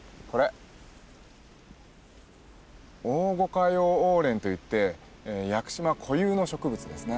オオゴカヨウオウレンといって屋久島固有の植物ですね。